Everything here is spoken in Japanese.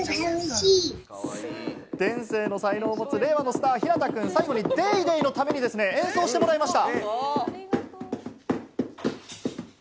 天性の才能を持つ令和のスターひなたくん、最後に『ＤａｙＤａｙ．』のために演奏してもらいました。